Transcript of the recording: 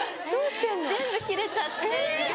・全部切れちゃって。